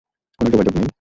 কোন যোগাযোগ নেই?